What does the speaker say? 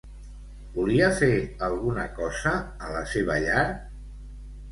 Volia fer alguna cosa a la seva llar?